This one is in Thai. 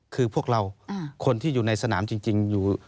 คือพวกเราคนที่อยู่ในสนามจริงอยู่